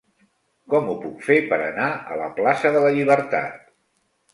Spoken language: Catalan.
Com ho puc fer per anar a la plaça de la Llibertat?